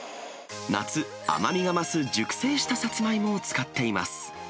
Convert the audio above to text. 夏、甘みが増す熟成したサツマイモを使っています。